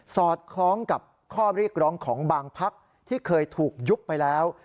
สอดคล้องกับข้อเรียกร้องของบางพักที่เคยถูกยุบไปแล้ว